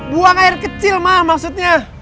buang air kecil mah maksudnya